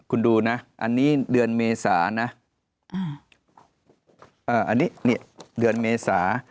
คุณดูนะอันนี้เดือนเมษานะอันนี้เนี่ยเดือนเมษา